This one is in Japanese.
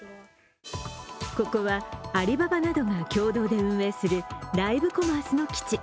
ここはアリババなどが共同で運営するライブコマースの基地。